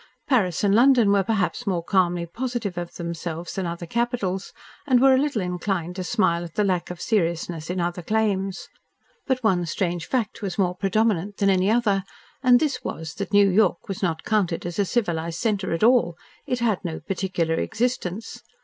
Paris and London were perhaps more calmly positive of themselves than other capitals, and were a little inclined to smile at the lack of seriousness in other claims. But one strange fact was more predominant than any other, and this was that New York was not counted as a civilised centre at all; it had no particular existence.